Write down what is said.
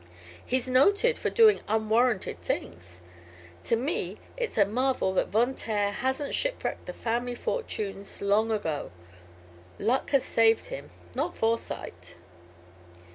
He's noted for doing unwarranted things. To me it's a marvel that Von Taer hasn't shipwrecked the family fortunes long ago. Luck has saved him, not foresight."